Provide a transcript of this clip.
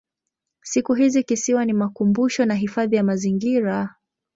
Siku hizi kisiwa ni makumbusho na hifadhi ya mazingira.